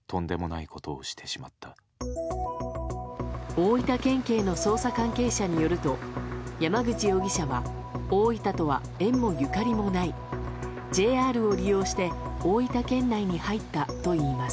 大分県警の捜査関係者によると山口容疑者は大分とは縁もゆかりもないＪＲを利用して大分県内に入ったと言います。